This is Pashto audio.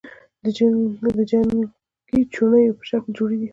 د جنگې چوڼیو په شکل جوړي دي،